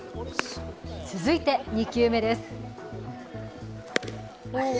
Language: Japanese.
続いて２球目です。